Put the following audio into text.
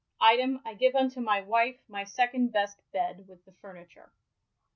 Itenif I gyve unto my loief my second best bed wUh the fumitvre.